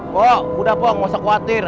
kok udah buang gak usah khawatir